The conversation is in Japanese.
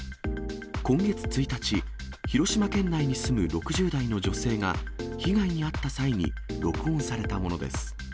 今月１日、広島県内に住む６０代の女性が、被害に遭った際に録音されたものです。